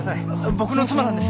僕の妻なんです。